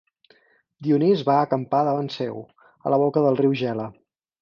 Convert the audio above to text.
Dionís va acampar davant seu, a la boca del riu Gela.